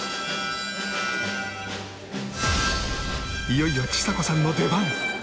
いよいよちさ子さんの出番！